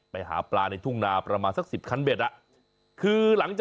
ไปหาปลาในทุ่งหนาพระมาสัก๑๐คะเบ็ด